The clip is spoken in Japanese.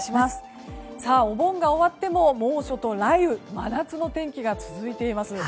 お盆が終わっても猛暑と雷雨真夏の天気が続いています。